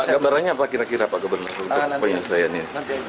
gak barangnya apa kira kira pak gubernur untuk penyelesaiannya